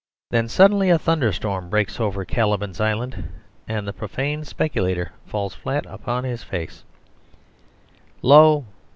Then suddenly a thunderstorm breaks over Caliban's island, and the profane speculator falls flat upon his face "Lo!